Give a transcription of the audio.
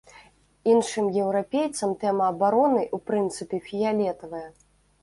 Іншым еўрапейцам тэма абароны, у прынцыпе, фіялетавая.